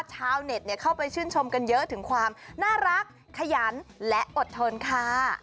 ชาวเน็ตเข้าไปชื่นชมกันเยอะถึงความน่ารักขยันและอดทนค่ะ